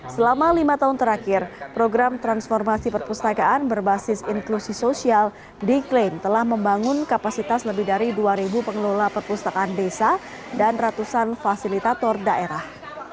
selama lima tahun terakhir program transformasi perpustakaan berbasis inklusi sosial diklaim telah membangun kapasitas lebih dari dua pengelola perpustakaan desa dan ratusan fasilitator daerah